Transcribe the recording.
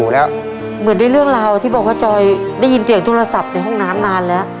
เหมือนได้เรื่องราวที่บอกว่าจอยได้ยินเสียงโทรศัพท์ในห้องน้ำนานแล้ว